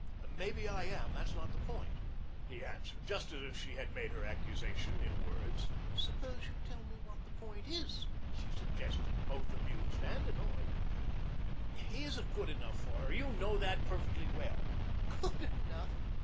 "Maybe I am. That's not the point," he answered, just as if she had made her accusation in words. "Suppose you tell me what the point is," she suggested, both amused and annoyed. "He isn't good enough for her. You know that perfectly well." "Good enough!"